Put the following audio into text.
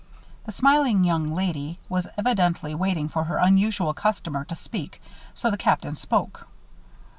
The smiling young lady was evidently waiting for her unusual customer to speak, so the Captain spoke.